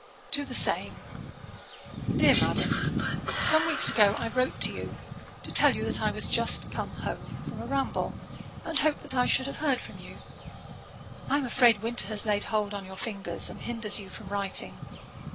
TO THE SAME. 'DEAR MADAM, 'Some weeks ago I wrote to you, to tell you that I was just come home from a ramble, and hoped that I should have heard from you. I am afraid winter has laid hold on your fingers, and hinders you from writing.